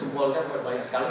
jempolnya banyak sekali